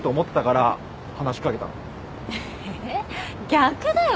逆だよ。